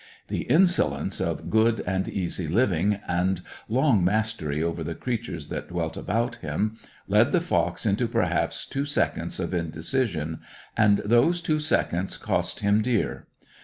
The insolence of good and easy living, and long mastery over the creatures that dwelt about him, led the fox into perhaps two seconds of indecision; and those two seconds cost him dear.